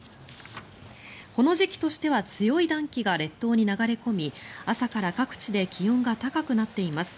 この時期としては強い暖気が列島に流れ込み朝から各地で気温が高くなっています。